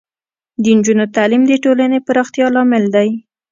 د نجونو تعلیم د ټولنې پراختیا لامل دی.